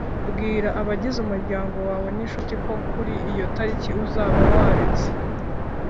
Bwira abagize umuryango wawe n incuti ko kuri iyo tariki uzaba waretse